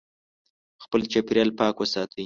خپل چاپیریال پاک وساتئ.